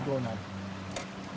masukkan ke dalam